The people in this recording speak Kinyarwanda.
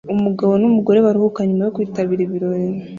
Umugabo n'umugore baruhuka nyuma yo kwitabira ibirori